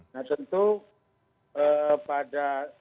nah tentu pada